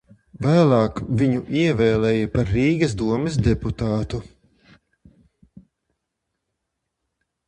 Vēlāk viņu ievēlēja par Rīgas domes deputātu.